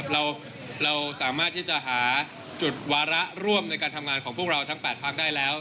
เราสามารถที่จะหาจุดวาระร่วมในการทำงานของพวกเราทั้ง๘พักได้แล้ว